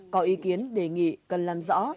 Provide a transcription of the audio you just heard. có ý kiến đề nghị cần làm rõ